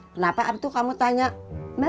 kenapa abtu kamu tanya emak mau berenang